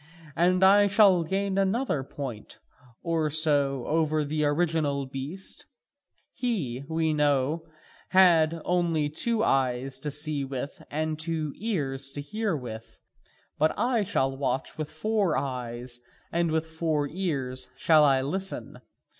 And I shall gain another point or so over the original beast: he, we know, had only two eyes to see with and two ears to hear with, but I shall watch with four eyes and with four ears I shall listen.